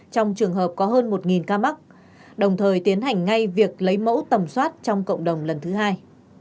trong trường hợp có hơn một ca mắc đồng thời tiến hành ngay việc lấy mẫu tầm soát trong cộng đồng lần thứ hai